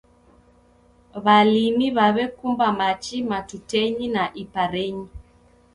W'alimi w'aw'ekumba machi matutenyi na iparenyi